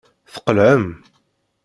Tqelɛem.